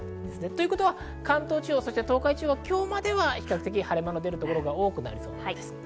ということは関東地方、東海地方は今日までは比較的、晴れ間のあるところが多くなりそうです。